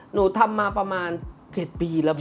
หนูทำมาประมาณ๗ปีแล้วพี่